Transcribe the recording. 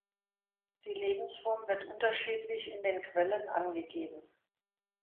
Die Lebensform wird unterschiedlich in den Quellen angegeben.